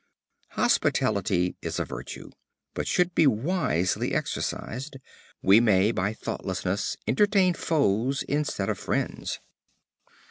Hospitality is a virtue, but should be wisely exercised; we may by thoughtlessness entertain foes instead of friends.